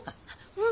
うん。